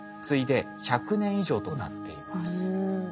次いで「１００年以上」となっています。